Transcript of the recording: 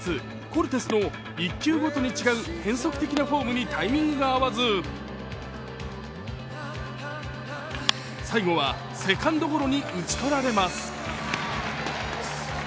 コルテスの１球ごとに違う変則的なフォームにタイミングが合わず最後はセカンドゴロに打ち取られます。